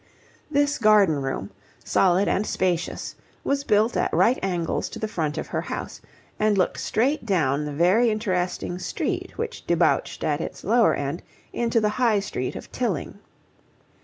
This garden room, solid and spacious, was built at right angles to the front of her house, and looked straight down the very interesting street which debouched at its lower end into the High Street of Tilling.